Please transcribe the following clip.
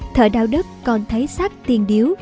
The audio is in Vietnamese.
thợ đào đất còn thấy sát tiền điếu